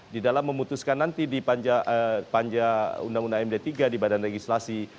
di dalam memutuskan nanti di panja undang undang md tiga di badan legislasi